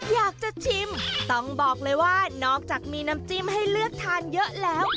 อยากจะชิมต้องบอกเลยว่านอกจากมีน้ำจิ้มให้เลือกทานเยอะแล้ว